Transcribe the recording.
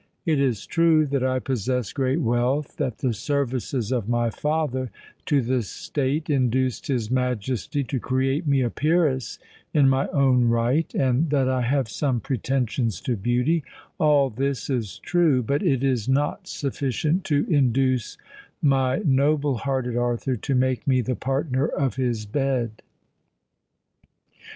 It is true that I possess great wealth—that the services of my father to the State induced his Majesty to create me a Peeress in my own right—and that I have some pretensions to beauty:—all this is true—but it is not sufficient to induce my noble hearted Arthur to make me the partner of his bed.